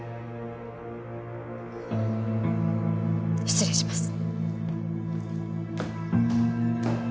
失礼します。